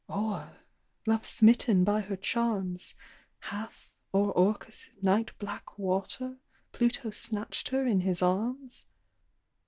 Or, love smitten by her charms, Hath, o'er Orcus's night black water, Pluto snatched her in his arms?